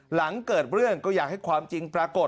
หลังเกิดเรื่องก็อยากให้ความจริงปรากฏ